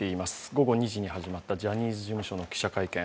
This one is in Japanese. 午後２時に始まったジャニーズ事務所の記者会見。